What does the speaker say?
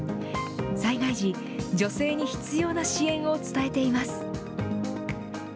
災害時、女性に必要な支援を伝えています。